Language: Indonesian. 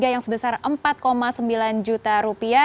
yang sebesar empat sembilan juta rupiah